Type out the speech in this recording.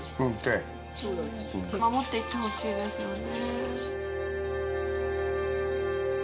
守っていってほしいですよね。